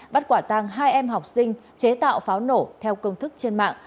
bắt quả tàng hai em học sinh chế tạo pháo nổ theo công thức trên mạng